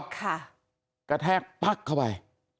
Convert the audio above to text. กระแทกปั๊กเข้าไป